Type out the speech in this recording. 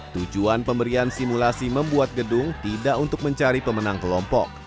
tujuan pemberian simulasi membuat gedung tidak untuk mencari pemenang kelompok